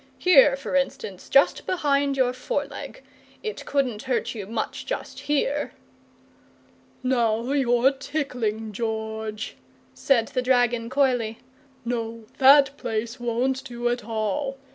Here, for instance, just behind your foreleg. It couldn't hurt you much, just here!" "Now you're tickling, George," said the dragon, coyly. "No, that place won't do at all.